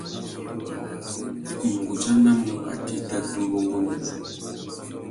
Nʼgudjanamú atê i tà tumba ungôndô uzu.